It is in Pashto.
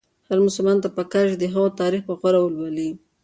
هر مسلمان ته پکار ده چې د هغوی تاریخ په غور ولولي.